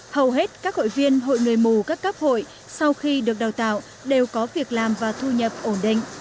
hầu hết các hội viên hội người mù các cấp hội sau khi được đào tạo đều có việc làm và thu nhập ổn định